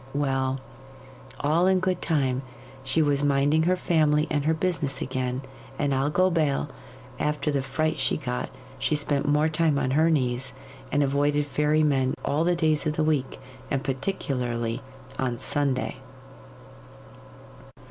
Well, all in good time she was minding her family and her business again; and I'll go bail, after the fright she got, she spent more time on her knees, and avoided fairy men all the days of the week, and particularly on Sunday.